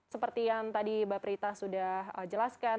seperti yang tadi mbak prita sudah jelaskan